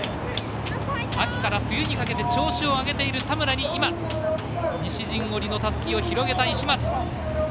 秋から冬にかけて調子を上げている田村へたすきを広げた石松。